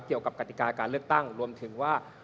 เกี่ยวกับกฎิกาการเลือกตั้งรวมถึงว่า